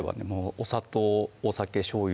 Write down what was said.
お砂糖・お酒・しょうゆ